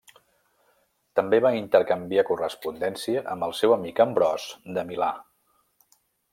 També va intercanviar correspondència amb el seu amic Ambròs de Milà.